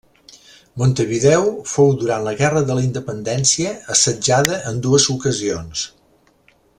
Montevideo fou, durant la guerra de la independència, assetjada en dues ocasions.